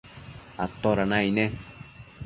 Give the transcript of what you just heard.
¿atoda naic ne?